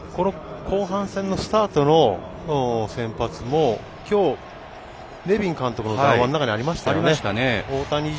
後半戦スタートの先発もきょう、ネビン監督の談話の中にありましたよね。